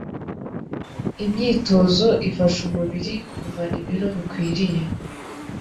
imyitozo Ifasha umubiri kugumana ibiro bikwiriye